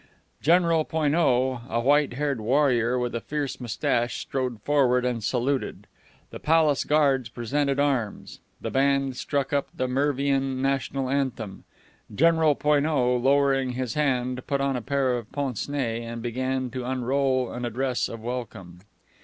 General Poineau, a white haired warrior with a fierce mustache, strode forward and saluted. The Palace Guards presented arms. The band struck up the Mervian national anthem. General Poineau, lowering his hand, put on a pair of pince nez and began to unroll an address of welcome.